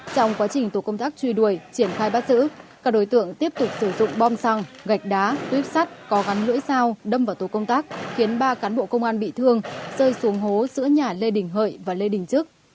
trong quá trình tổ công tác truy đuổi triển khai bắt giữ các đối tượng tiếp tục sử dụng bom xăng gạch đá tuyếp sắt có gắn lưỡi dao đâm vào tổ công tác khiến ba cán bộ công an bị thương rơi xuống hố giữa nhà lê đình hợi và lê đình trức